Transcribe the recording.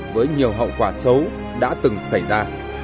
với nhiều hậu quả xấu đã từng xảy ra